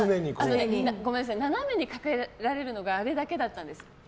斜めにかけられるのがあれだけだったんです。